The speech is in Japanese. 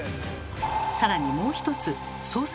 更にもう一つ操作